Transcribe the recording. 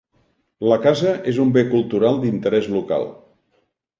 La casa és un bé cultural d'interès local.